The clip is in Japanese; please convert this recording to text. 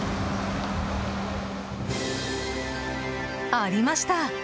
ありました！